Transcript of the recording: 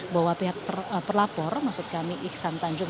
bahwa pihak terlapor maksud kami iksan tanjung